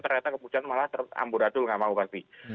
ternyata kemudian malah teramburadul nggak mau pasti